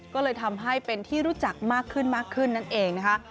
ก็เลยทำให้เป็นที่รู้จักมากขึ้นมากขึ้นนั่นเองนะคะ